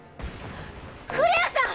クレアさん